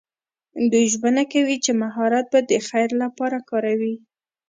دوی ژمنه کوي چې مهارت به د خیر لپاره کاروي.